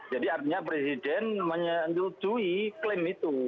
jadi artinya presiden menyetujui klaim itu